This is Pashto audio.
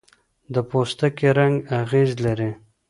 د پوستکي رنګ اغېز لري.